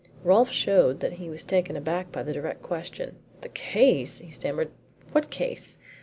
Rolfe showed that he was taken aback by the direct question. "The case!" he stammered. "What case?"